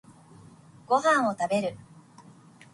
ご飯を食べる。